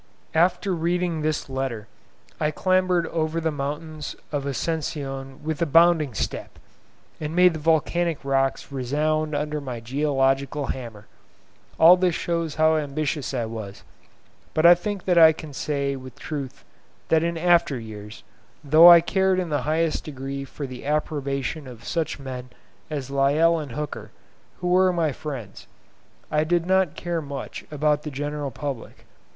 After reading this letter, I clambered over the mountains of Ascension with a bounding step, and made the volcanic rocks resound under my geological hammer. All this shows how ambitious I was; but I think that I can say with truth that in after years, though I cared in the highest degree for the approbation of such men as Lyell and Hooker, who were my friends, I did not care much about the general public.